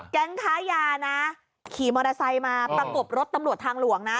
แก๊งค้ายานะขี่มอเตอร์ไซค์มาประกบรถตำรวจทางหลวงนะ